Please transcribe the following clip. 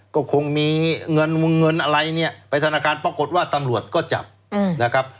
ก็คงมีเงินวงเงินอะไรเนี่ยไปธนาคารปรากฏว่าตำรวจก็จับนะครับ